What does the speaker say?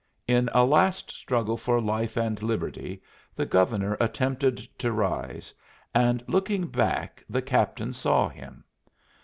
In a last struggle for life and liberty the Governor attempted to rise, and looking back the captain saw him.